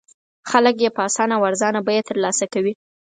خلک یې په اسانه او ارزانه بیه تر لاسه کوي.